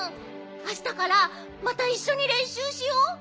あしたからまたいっしょにれんしゅうしよう。